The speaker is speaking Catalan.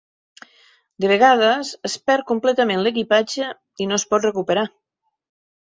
De vegades, es perd completament l'equipatge i no es pot recuperar.